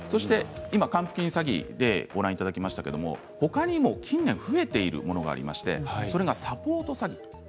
今、還付金詐欺でご覧いただきましたが、ほかにも近年増えているものがありましてそれがサポート詐欺。